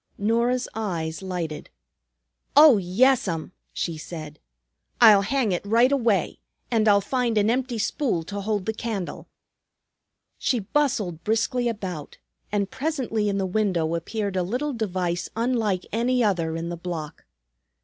Norah's eyes lighted. "Oh, yes'm," she said. "I'll hang it right away. And I'll find an empty spool to hold the candle." She bustled briskly about, and presently in the window appeared a little device unlike any other in the block.